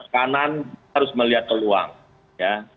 kanan harus melihat peluang ya